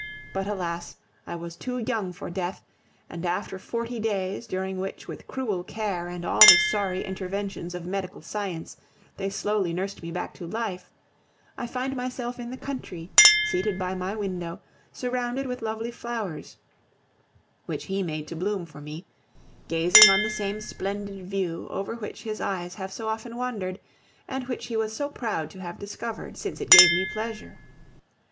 But, alas! I was too young for death; and after forty days, during which, with cruel care and all the sorry inventions of medical science, they slowly nursed me back to life, I find myself in the country, seated by my window, surrounded with lovely flowers, which he made to bloom for me, gazing on the same splendid view over which his eyes have so often wandered, and which he was so proud to have discovered, since it gave me pleasure.